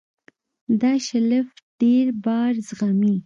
دا شیلف ډېر بار زغمي.